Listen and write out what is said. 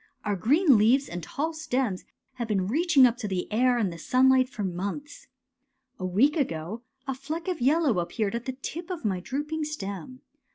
Our green leaves and tall stems have been reaching up to the air and the sunlight for months. '' A week ago a fleck of yellow appeared at the tip of my drooping stem.